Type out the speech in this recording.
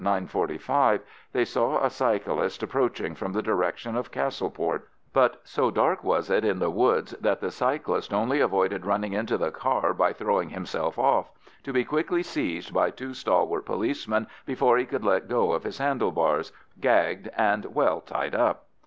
45 they saw a cyclist approaching from the direction of Castleport; but so dark was it in the wood that the cyclist only avoided running into the car by throwing himself off, to be quickly seized by two stalwart policemen before he could let go of his handle bars, gagged and well tied up.